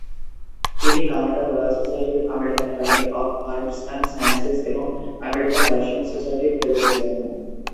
তিনি কানাডার Royal Society, American Academy of Arts and Sciences এবং আমেরিকান দার্শনিক সোসাইটির ফেলো ছিলেন।